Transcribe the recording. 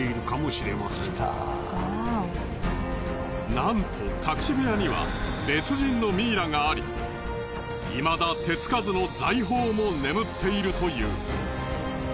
なんと隠し部屋には別人のミイラがありいまだ手つかずの財宝も眠っているという。